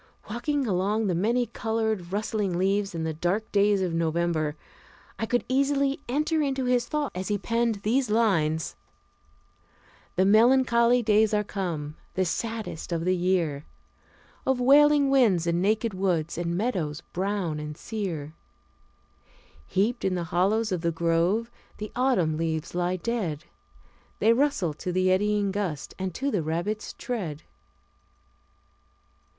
Walking among the many colored, rustling leaves in the dark days of November, I could easily enter into his thought as he penned these lines: "The melancholy days are come, the saddest of the year, Of wailing winds, and naked woods, and meadows brown and sear. Heaped in the hollows of the grove, the autumn leaves lie dead; They rustle to the eddying gust, and to the rabbit's tread."